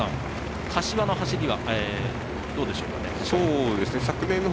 柏の走りはどうでしょうか。